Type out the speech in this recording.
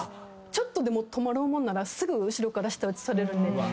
ちょっとでも止まろうもんならすぐ後ろから舌打ちされるんで。